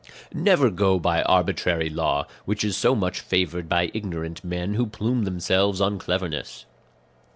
"Never go by arbitrary law, which is so much favoured by ignorant men who plume themselves on cleverness.